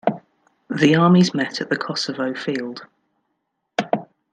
The armies met at the Kosovo Field.